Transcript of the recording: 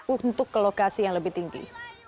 untuk ke lokasi yang lebih tinggi